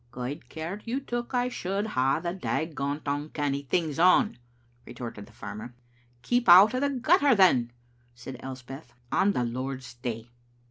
" Guid care you took I should hae the dagont oncanny things on," retorted the farmer. " Keep out o' the gutter, then," said Elspeth, " on the Lord's day."